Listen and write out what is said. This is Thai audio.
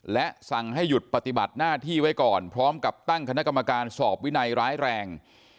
และสั่งให้หยุดปฏิบัติหน้าที่ไว้ก่อนพร้อมกับตั้งคณะกรรมการสอบวินัยร้ายแรง